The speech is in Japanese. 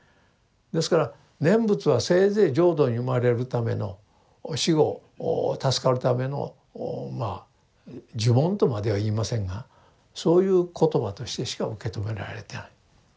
ですから念仏はせいぜい浄土に生まれるための死後助かるためのまあ呪文とまでは言いませんがそういう言葉としてしか受け止められてない。